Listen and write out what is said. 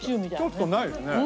ちょっとないですね。